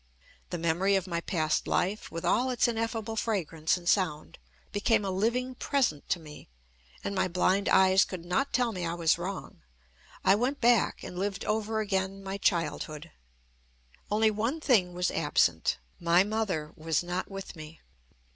The memory of my past life, with all its ineffable fragrance and sound, became a living present to me, and my blind eyes could not tell me I was wrong. I went back, and lived over again my childhood. Only one thing was absent: my mother was not with me.